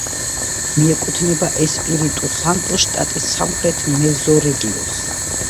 მიეკუთვნება ესპირიტუ-სანტუს შტატის სამხრეთ მეზორეგიონს.